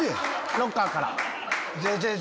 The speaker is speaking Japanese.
ロッカーから。